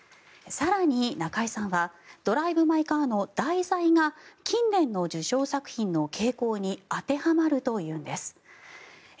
更に中井さんは「ドライブ・マイ・カー」の題材が、近年の受賞作品の傾向に当てはまるというんです。